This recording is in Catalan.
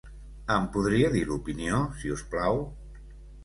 Em podria dir l'opinió, si us plau?